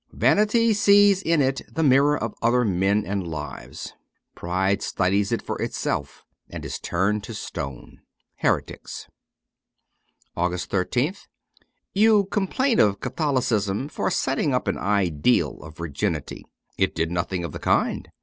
Vanity sees it in the mirror of other men and lives. Pride studies it for itself and is turned to stone. 'Heretics' 250 AUGUST 13th YOU complain of Catholicism for setting up an ideal of virginity ; it did nothing of the kind.